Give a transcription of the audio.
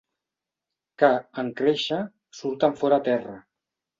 Que, en créixer, surten fora terra.